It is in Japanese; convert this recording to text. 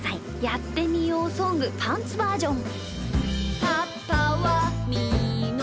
「やってみようソングパンツバージョン」。